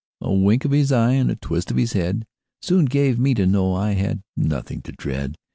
A wink of his eye, and a twist of his head, Soon gave me to know I had nothing to dread.